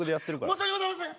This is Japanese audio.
申し訳ございません！